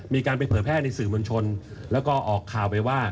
มีการไปเผยแพร่ในสื่อมวลชนแล้วก็ออกข่าวไปว่า